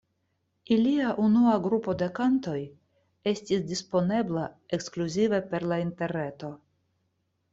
Ilia unua grupo de kantoj estis disponebla ekskluzive per la interreto.